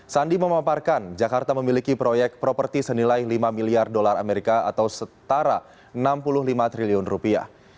sandi memaparkan jakarta memiliki proyek properti senilai lima miliar dolar amerika atau setara enam puluh lima triliun rupiah